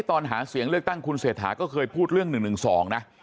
ตอนหาเสียงเลือกตั้งคุณเศรษฐาก็เคยพูดเรื่อง๑๑๒นะ